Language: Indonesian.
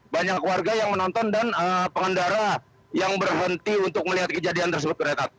banyak warga yang menonton dan pengendara yang berhenti untuk melihat kejadian tersebut renat